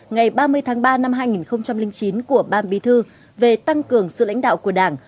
ngày ba mươi tháng ba năm hai nghìn chín của ban bí thư về tăng cường sự lãnh đạo của đảng